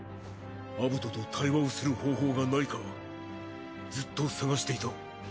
アブトと対話をする方法がないかずっと探していた。